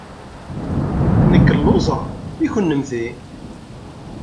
Nekk lluẓeɣ. I kennemti?